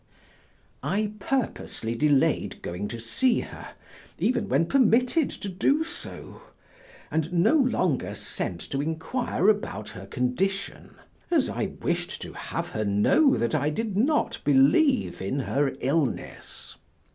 I purposely delayed going to see her even when permitted to do so, and no longer sent to inquire about her condition, as I wished to have her know that I did not believe in her illness.